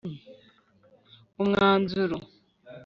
umwanzuro